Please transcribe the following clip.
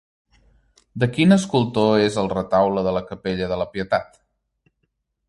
De quin escultor és el retaule de la capella de la Pietat?